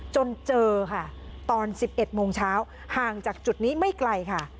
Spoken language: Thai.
จนเจอค่ะตอน๑๑โมงเช้าห่างจากจุดนี้ไม่ไกลค่ะ